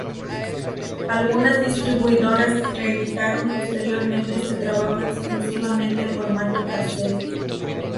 Algunas distribuidoras reeditaron posteriormente este trabajo exclusivamente en formato casete.